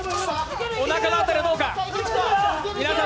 おなかの辺りはどうか。